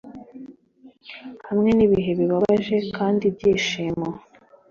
hamwe n'ibihe bibabaje kandi byishimo